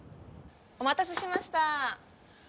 お待たせしました。